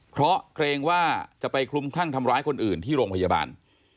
เพราะเกรงว่าจะไปคลุมคลั่งทำร้ายคนอื่นที่โรงพยาบาล